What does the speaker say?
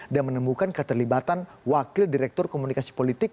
dan menemukan keterlibatan wakil direktur komunikasi politik